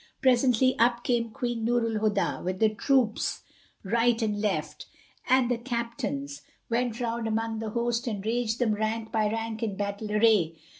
Presently, up came Queen Nur al Huda, with the troops right and left, and the captains went round about among the host and ranged them rank by rank in battle array.